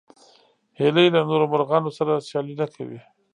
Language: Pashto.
هیلۍ له نورو مرغانو سره سیالي نه کوي